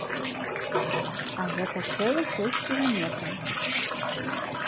А гэта цэлых шэсць кіламетраў.